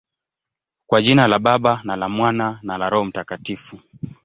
Kwa jina la Baba, na la Mwana, na la Roho Mtakatifu.